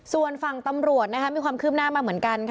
ส่วนฝั่งตำรวจมีความคืบหน้ามาเหมือนกันค่ะ